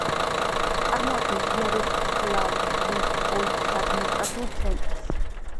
წარმოადგენს იაროსლავლის ოლქის ადმინისტრაციულ ცენტრს.